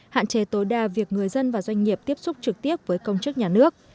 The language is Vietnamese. hạn chế tối đa việc người dân và doanh nghiệp tiếp xúc trực tiếp với công chức nhà nước